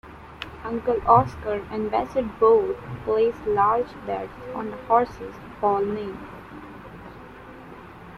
Uncle Oscar and Bassett both place large bets on the horses Paul names.